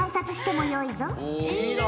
いいな。